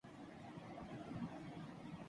کیا میں آپ کو کال کر سکتا ہوں